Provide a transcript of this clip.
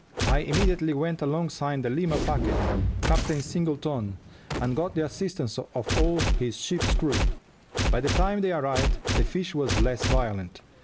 I immediately went alongside the Lima packet, Captain Singleton, and got the assistance of all his ship's crew. By the time they arrived the fish was less violent.